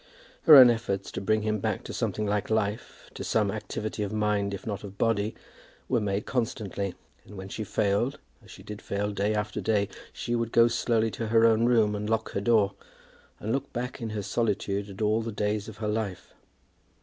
Her own efforts to bring him back to something like life, to some activity of mind if not of body, were made constantly; and when she failed, as she did fail day after day, she would go slowly to her own room, and lock her door, and look back in her solitude at all the days of her life.